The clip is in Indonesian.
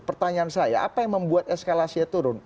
pertanyaan saya apa yang membuat eskalasinya turun